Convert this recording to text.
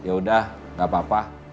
yaudah gak apa apa